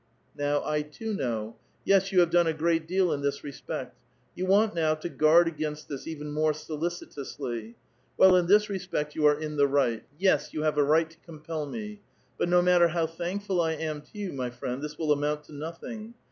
/*" Now I too know. Yes, 3'ou have done a great deal in *^is respect ; you want now to guard against this even more ^^^icitously. Well, in this respect you are in the right. ?r^s, you have a right to compel me. But no matter how Y ^nkful I am to 3'ou, my friend, this will amount to nothing.